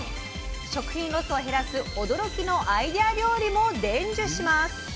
食品ロスを減らす驚きのアイデア料理も伝授します。